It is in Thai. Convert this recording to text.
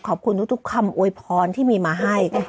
ขอบคุณทุกคำอวยพรที่มีมาให้